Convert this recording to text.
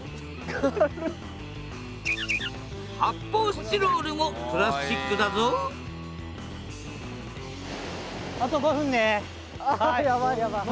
発泡スチロールもプラスチックだぞあやばい。